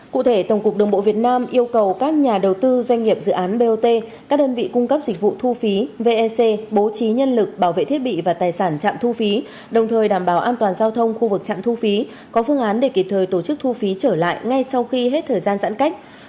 cụ thể tổng cục đường bộ việt nam yêu cầu các nhà đầu tư doanh nghiệp dự án bot các đơn vị cung cấp dịch vụ thu phí vec bố trí nhân lực bảo vệ thiết bị và tài sản trạm thu phí đồng thời đảm bảo an toàn giao thông khu vực trạm thu phí có phương án để kịp thời tổ chức thu phí trở lại ngay sau khi hết thời gian giãn cách